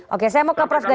oke saya mau ke prof guys